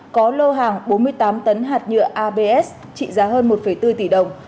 có lô hàng bốn mươi tám tấn hạt nhựa abs trị giá hơn một bốn tỷ đồng